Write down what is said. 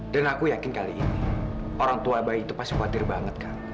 dan aku yakin kali ini orang tua bayi itu pasti khawatir banget kak